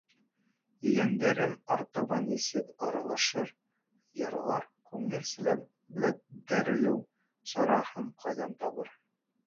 Ейәндәрем артабан нисек аралашыр, йырлар, күңел сәләмәтләндереү сараһын ҡайҙан табыр?